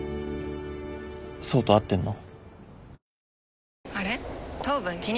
想と会ってんの？